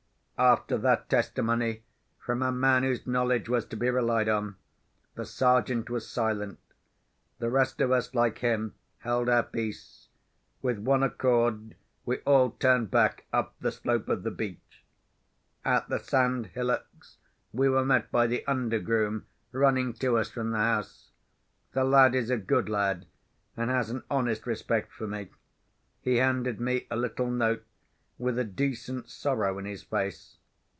After that testimony from a man whose knowledge was to be relied on, the Sergeant was silent. The rest of us, like him, held our peace. With one accord, we all turned back up the slope of the beach. At the sandhillocks we were met by the under groom, running to us from the house. The lad is a good lad, and has an honest respect for me. He handed me a little note, with a decent sorrow in his face.